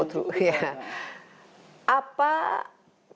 apa kira kira yang